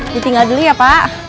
ditinggal dulu ya pak